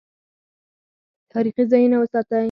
تاریخي ځایونه وساتئ